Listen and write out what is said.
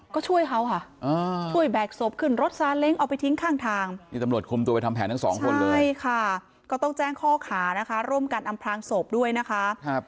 ข้อขานะคะร่วมกันอำพลางศพด้วยนะคะ